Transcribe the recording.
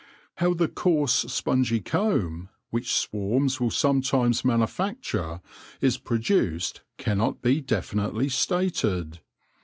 How the coarse, spongy comb, which swarms will sometimes manufacture, is produced cannot be de finitely stated.